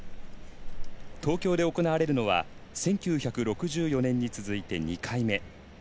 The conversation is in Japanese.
東京で行われるのは１９６４年に続いて２回目。